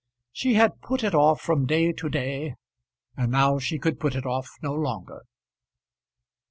She had put it off from day to day, and now she could put it off no longer.